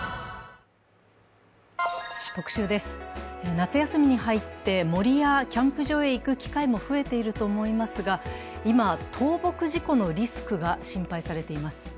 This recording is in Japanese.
夏休みに入って、森やキャンプ場へ行く機会も増えていると思いますが、今、倒木事故のリスクが心配されています。